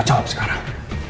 ucap waktu sekarang